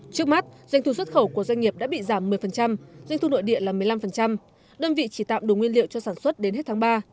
trước mắt doanh thu xuất khẩu của doanh nghiệp đã bị giảm một mươi doanh thu nội địa là một mươi năm đơn vị chỉ tạm đủ nguyên liệu cho sản xuất đến hết tháng ba